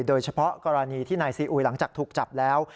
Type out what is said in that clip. โดยเฉพาะกรณีที่นายซีอุยหลังจากถูกจับแล้ว